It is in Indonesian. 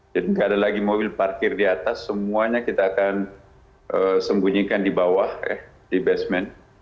jadi nggak ada lagi mobil parkir di atas semuanya kita akan sembunyikan di bawah di basement